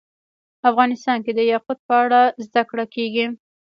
افغانستان کې د یاقوت په اړه زده کړه کېږي.